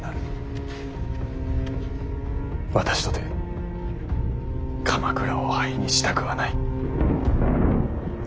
私とて鎌倉を灰にしたくはない。